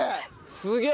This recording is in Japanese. すげえ！